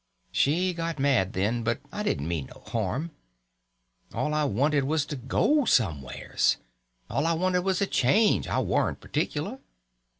She got mad then, but I didn't mean no harm. All I wanted was to go somewheres; all I wanted was a change, I warn't particular.